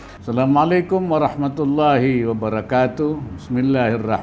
assalamualaikum warahmatullahi wabarakatuh bismillahirrah